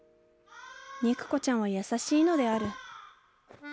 肉子ちゃんは優しいのである。